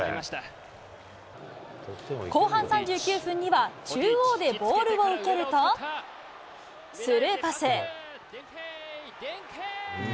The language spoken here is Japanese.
後半３９分には、中央でボールを受けると、スルーパス。